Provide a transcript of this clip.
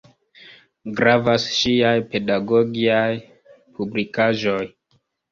Gravas ŝiaj pedagogiaj publikaĵoj.